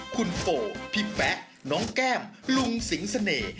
คุณโฟพี่แป๊ะน้องแก้มลุงสิงเสน่ห์